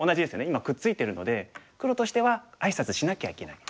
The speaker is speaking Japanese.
今くっついてるので黒としてはあいさつしなきゃいけない。